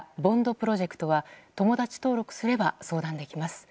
プロジェクトは友達登録すれば相談できます。